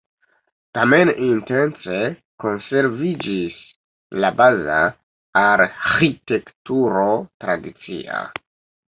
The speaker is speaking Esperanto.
Tamen intence konserviĝis la baza arĥitekturo tradicia.